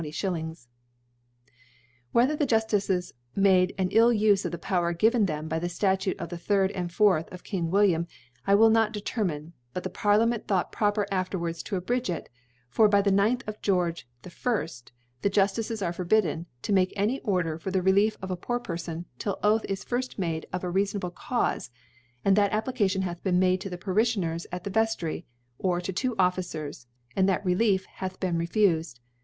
*" Whether the Juftices made an ill Ufe of the Power given them by the Statute of the 3d and 4th of King William^ I will not de termine ; but the Parliament thought proper afterwards to abridge it ; for by the 9th of * George I. the Juftices are forbidden * to make any Order for the Relief of a poor Perfon, 'till Oath is firft made of a reafon able Caufe ; and that A pplication hath been made to the Parilhioners at ihe Veftry, or to two Officers, and that Relief hath been refufcd.